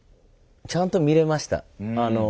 ちゃんと見れました。